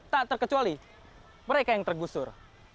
tak terkecuali mereka yang tergusur